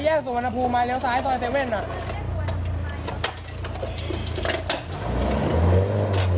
เลยแยกสุวรรณภูมิมาเลี้ยวซ้ายซอยเซเว่นหน่อย